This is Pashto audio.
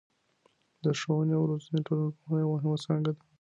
د ښووني او روزني ټولنپوهنه یوه مهمه څانګه ده.